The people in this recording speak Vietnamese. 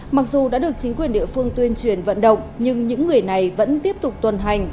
mặc dù đã được chính quyền địa phương tuyên truyền vận động nhưng những người này vẫn tiếp tục tuần hành